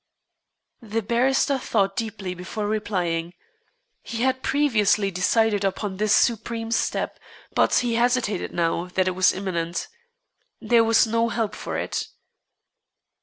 The barrister thought deeply before replying. He had previously decided upon this supreme step, but he hesitated now that it was imminent. There was no help for it.